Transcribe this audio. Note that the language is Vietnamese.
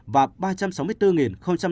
và ba trăm sáu mươi bốn năm mươi một mũi hai